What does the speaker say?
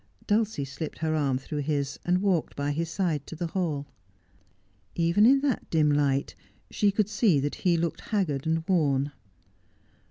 Dulcie slipped her arm through his, and walked by his side to the hall. Even in that dim light she could see that he looked haggard and worn.